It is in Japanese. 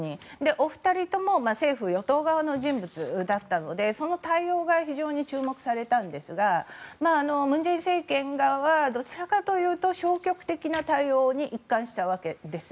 お二人とも政府・与党側の人物だったのでその対応が非常に注目されたんですが文在寅政権側はどちらかというと消極的な対応に一貫したわけです。